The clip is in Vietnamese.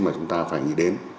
mà chúng ta phải nghĩ đến